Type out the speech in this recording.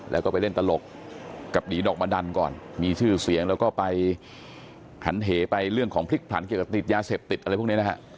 แล้วก็ไปเล่นตลกกับหนีดอกมะดันก่อนมีชื่อเสียงแล้วก็ไปหันเหไปเรื่องของพลิกผลันเกี่ยวกับติดยาเสพติดอะไรพวกนี้นะฮะ